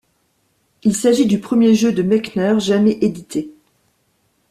Il s'agit du premier jeu de Mechner jamais édité.